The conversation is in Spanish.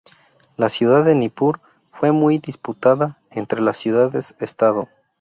La ciudad de Nippur fue muy disputada entre las ciudades-estado.